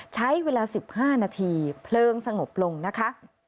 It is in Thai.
ใช้เวลา๑๕นาทีเพลิงสงบลงนะคะ